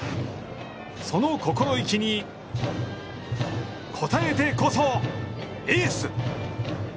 その心意気に応えてこそエース！